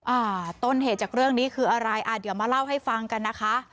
อ่าต้นเหตุจากเรื่องนี้คืออะไรอ่ะเดี๋ยวมาเล่าให้ฟังกันนะคะ